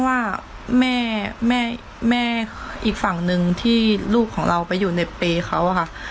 แจ้งว่าแม่อีกฝั่งนึงที่ลูกของเราไปอยู่ในเปรย์เขา